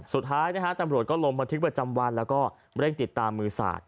สุดท้ายนะฮะตำรวจก็ลงบันทึกประจำวันแล้วก็เร่งติดตามมือสาด